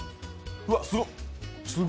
うわっ、すごっ！